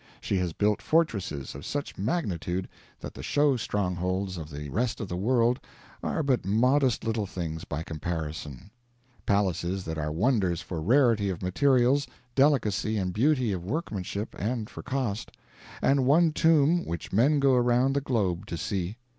She has built fortresses of such magnitude that the show strongholds of the rest of the world are but modest little things by comparison; palaces that are wonders for rarity of materials, delicacy and beauty of workmanship, and for cost; and one tomb which men go around the globe to see.